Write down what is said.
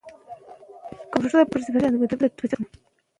که پښتو قوي وي، نو کلتوري نمونه ژوندۍ وي.